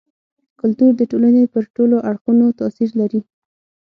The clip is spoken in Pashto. کلتور د ټولني پر ټولو اړخونو تاثير لري.